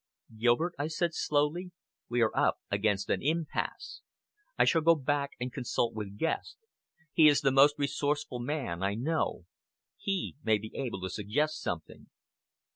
"Gilbert," I said slowly, "we are up against an impasse. I shall go back and consult with Guest. He is the most resourceful man I know. He may be able to suggest something."